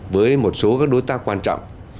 với một số các đối tác quan trọng